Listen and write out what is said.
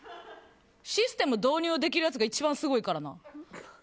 システム導入できるやつが一番すごいからな。